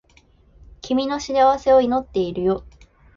君の幸せを祈っているよ